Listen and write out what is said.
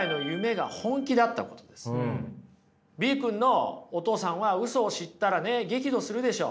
Ｂ君のお父さんはウソを知ったらね激怒するでしょう。